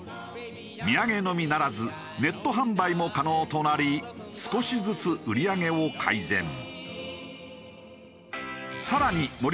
土産のみならずネット販売も可能となり少しずつ売り上げを改善。